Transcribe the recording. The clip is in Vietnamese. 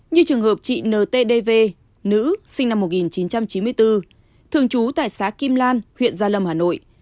như trường hợp chị ntdv nữ sinh năm một nghìn chín trăm chín mươi bốn thường trú tại xã kim lan huyện gia lâm hà nội